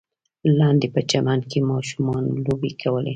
لاندې په چمن کې ماشومانو لوبې کولې.